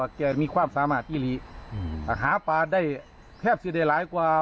ว่าแกมีความสามารถที่หลีหาปลาได้แค่ประสิทธิ์ได้หลายกว่า